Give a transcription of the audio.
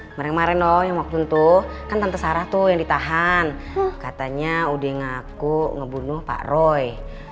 kemarin kemarin dong yang waktu itu kan tante sarah tuh yang ditahan katanya udah ngaku ngebunuh pak roy